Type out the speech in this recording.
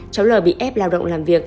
cháu lò bị ép lao động làm việc